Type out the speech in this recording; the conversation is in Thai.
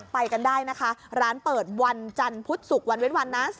ไปกันได้นะคะร้านเปิดวันจันทร์พุธศุกร์วันเว้นวันนะ